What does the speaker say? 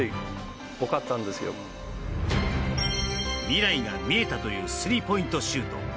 未来が見えたというスリーポイントシュート。